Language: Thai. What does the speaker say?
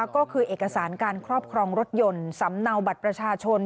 ก็คือเอกสารการครอบครองรถยนต์สำเนาบัตรประชาชน